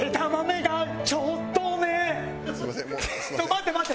待って待って！